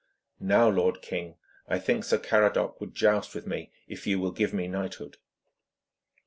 Now, lord king, I think Sir Caradoc would joust with me, if you will give me knighthood.'